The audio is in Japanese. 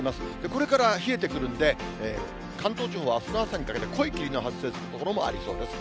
これから冷えてくるんで、関東地方は、あすの朝にかけて、濃い霧の発生する所もありそうです。